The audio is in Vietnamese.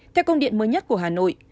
theo công điện mới nhất của hà nội